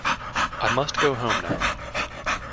I must go home now.